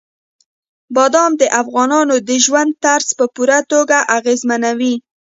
بادام د افغانانو د ژوند طرز په پوره توګه اغېزمنوي.